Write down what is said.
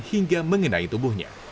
hingga mengenai tubuhnya